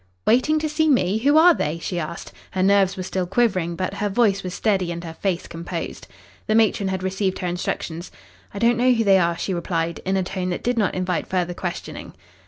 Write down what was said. "Waiting to see me? Who are they?" she asked. Her nerves were still quivering, but her voice was steady and her face composed. The matron had received her instructions. "I don't know who they are," she replied, in a tone that did not invite further questioning.